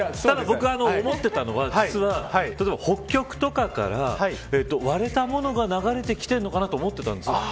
ただ、僕は思っていたのは実は、北極とかから割れたものが流れてきてるのかなと思ったんです。